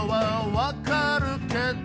「分かるけど」